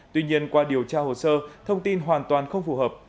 tuy nhiên qua điều tra hồ sơ thông tin hoàn toàn không phù hợp